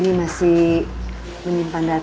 nggak dominan ya